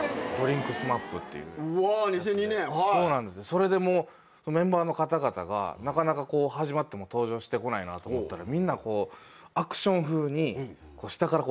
それでメンバーの方々がなかなかこう始まっても登場してこないなと思ったらみんなアクション風に。